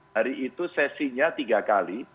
hari itu sesinya tiga kali